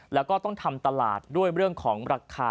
แล้วก็ต้องทำตลาดด้วยเรื่องของราคา